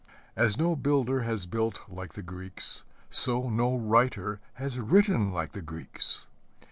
As no builder has built like the Greeks, so no writer has written like the Greeks.